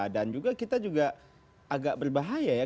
juga kita juga agak berbahaya ya